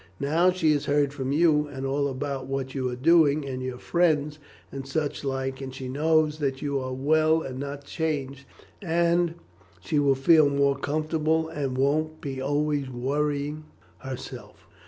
Now she has heard from you all about what you are doing, and your friends, and such like, and she knows that you are well and not changed, she will feel more comfortable, and won't be always worriting herself.